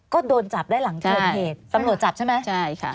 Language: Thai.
ก็โดนจับได้หลังโทรเพจ